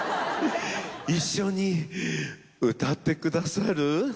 一緒に歌ってくださる？